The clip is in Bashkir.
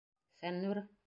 Фәннүр?!